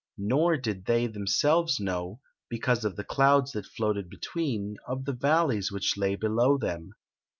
Nor did they themselves know, because of the clouds that floated between, of the valleys which lay below them.